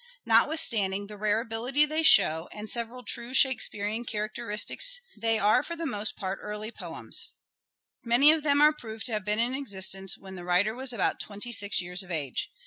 Notwithstanding the rare ability they show, and several true Shakespearean characteristics, they are for the most part early poems. Many of them are proved to have been in existence when the writer EDWARD DE VERE AS LYRIC POET 157 was about twenty six years of age.